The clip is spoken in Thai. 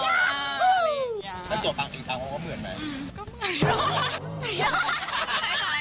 ก็เหมือน